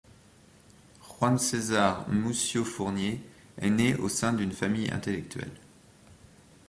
Juan César Mussio-Fournier est né au sein d'une famille intellectuelle.